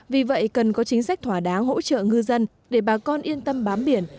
vì vậy cần có chính sách thỏa đáng hỗ trợ ngư dân để bà con yên tâm bám biển